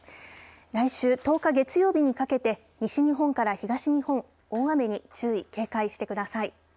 来週１０日、月曜日にかけて西日本から東日本大雨に注意、警戒してください。